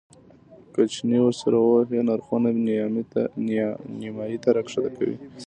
که چنې ورسره ووهې نرخونه نیمایي ته راښکته کوي.